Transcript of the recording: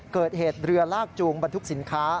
เกิดเหตุเรือลากจูงบรรทุกสินค้า